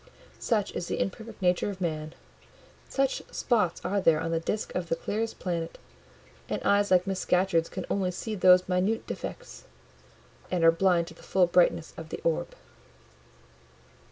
Such is the imperfect nature of man! such spots are there on the disc of the clearest planet; and eyes like Miss Scatcherd's can only see those minute defects, and are blind to the full brightness of the orb.